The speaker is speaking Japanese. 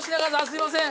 すいません。